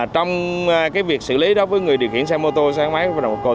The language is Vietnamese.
trong việc xử lý đối với người điều khiển xe mô tô xe gắn máy vi phạm nồng độ cồn